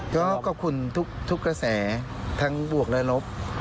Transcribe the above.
ก็ขอบคุณทุกกระแสทั้งบวกและลบ